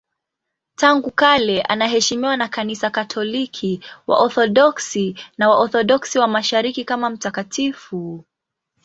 Tangu kale anaheshimiwa na Kanisa Katoliki, Waorthodoksi na Waorthodoksi wa Mashariki kama mtakatifu.